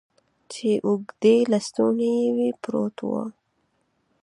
چې اوږدې لستوڼي یې وې، پروت و.